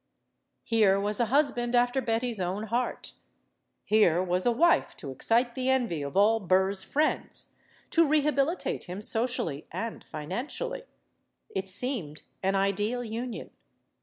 Here was a husband after Betty's own heart. Here was a wife to excite the envy of all Burr's 110 STORIES OF THE SUPER WOMEN" friends, to rehabilitate him socially and financially. It seemed an ideal union.